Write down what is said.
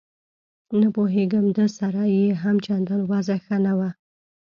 نه پوهېږم ده سره یې هم چندان وضعه ښه نه وه.